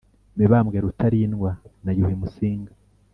Mibambwe Rutarindwa na Yuhi Musinga